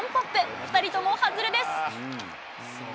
２人とも外れです。